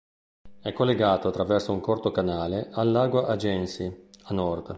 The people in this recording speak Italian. È collegato attraverso un corto canale al lago Agency, a nord.